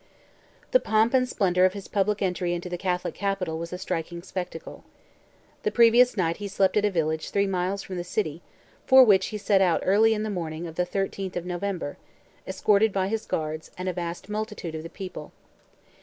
The pomp and splendour of his public entry into the Catholic capital was a striking spectacle. The previous night he slept at a village three miles from the city, for which he set out early on the morning of the 13th of November, escorted by his guard, and a vast multitude of the people.